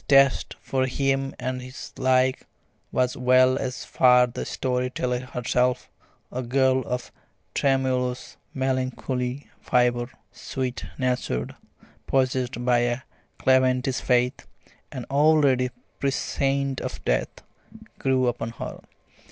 The taste for him and his like, as well as for the story teller herself a girl of a tremulous, melancholy fibre, sweet natured, possessed by a Calvinist faith, and already prescient of death grew upon her.